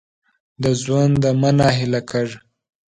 د ژونده مه نا هیله کېږه !